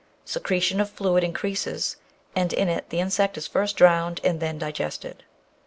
Secretion of fluid in creases, and in it the insect is first drowned and then digested.